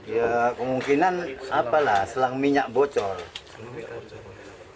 ya kemungkinan apalah selang minyak bocor